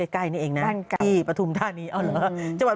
ใกล้นี่เองนะที่ผัทุมธาริย์้าละ